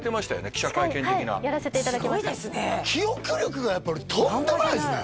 記者会見的なはいやらせていただきました記憶力がやっぱりとんでもないですね